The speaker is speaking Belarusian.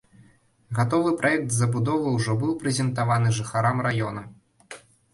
Гатовы праект забудовы ўжо быў прэзентаваны жыхарам раёна.